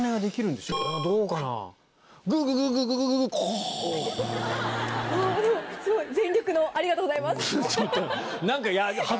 でも全力ありがとうございます。